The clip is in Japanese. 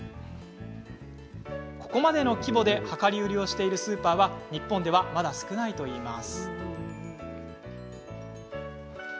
ここまでの規模で量り売りをしているスーパーは日本ではまだ少ないといいます。